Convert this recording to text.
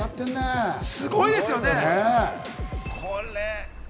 すごいですよね。